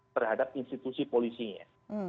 terhadap institusi polisinya